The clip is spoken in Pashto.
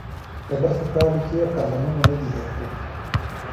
په لسو کالو کې یې کالمونه نه دي هېر کړي.